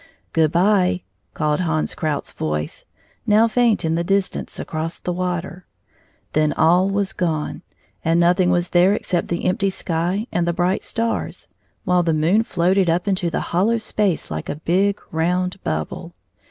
" Good by !" called Hans Kjout's voice, now faint in the distance, across the water. Then all was gone, and nothing was there except the empty sky and the bright stars, while the moon floated up into the hollow space like a big round bubble.